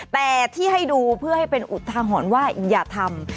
แต่ที่ให้ดูเพื่อให้เป็นอุทาหรณ์ว่าอย่าทำ